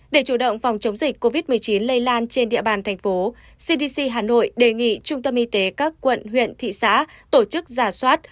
để chủ động phòng chống dịch covid một mươi chín lây lan trên địa bàn thành phố cdc hà nội đề nghị trung tâm y tế các quận huyện thị xã tổ chức giả soát